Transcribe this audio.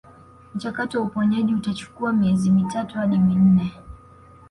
Mchakato wa uponyaji utachukua miezi mitatu hadi minne